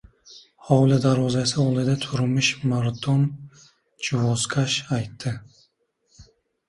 Hovli darvozasi oldida turmish Mardon juvozkash aytdi: